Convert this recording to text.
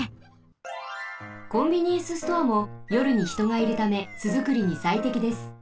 コンビニエンスストアもよるにひとがいるため巣づくりにさいてきです。